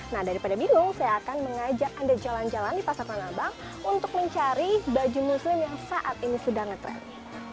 nah daripada bingung saya akan mengajak anda jalan jalan di pasar tanah abang untuk mencari baju muslim yang saat ini sudah ngetrend